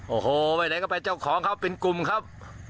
โอ้โหไปไหนก็ไปเจ้าของเขาเป็นกลุ่มครับ